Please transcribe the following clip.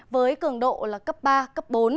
với cường độ là cấp ba cấp bốn